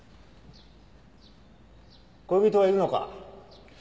恋人はいるのか？